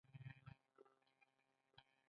هالینډیان او فرانسویان هم راغلل.